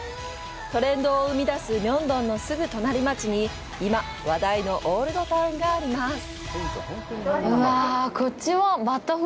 トレンドを生み出す明洞のすぐ隣町に、今、話題のオールドタウンがあります。